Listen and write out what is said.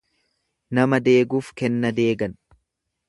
Nama deeguuf kenna deegan.